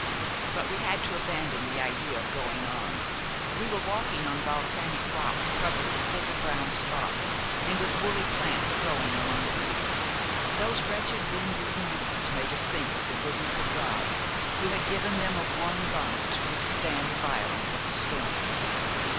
But we had to abandon the idea of going on. We were walking on volcanic rocks covered with little brown spots, and with woolly plants growing among them. Those wretched wind beaten weeds made us think of the goodness of God, who has given them a warm garment to withstand the violence of the storm.